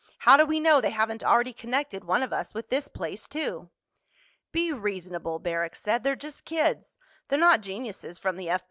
How do we know they haven't already connected one of us with this place too?" "Be reasonable," Barrack said. "They're just kids. They're not geniuses from the F.